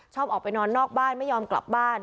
ชอบออกไปนอนนอกบ้านไม่ยอมกลับบ้าน